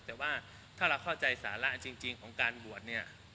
แต่ว่าถ้าเราเข้าใจสาระจริงของการบวชเนี่ย